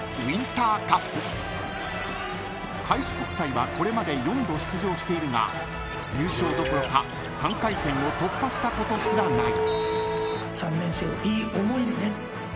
［開志国際はこれまで４度出場しているが優勝どころか３回戦を突破したことすらない］